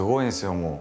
もう。